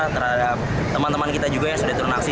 terhadap teman teman kita juga yang sudah turun aksi